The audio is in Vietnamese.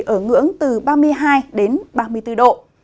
ở ngưỡng từ ba mươi hai đến ba mươi bốn độ